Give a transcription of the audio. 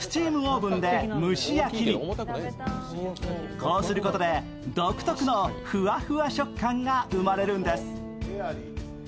こうすることで独特のふわふわ食感が生まれるんです。